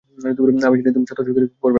আমি জানি তুমি সত্য স্বীকার করবে না।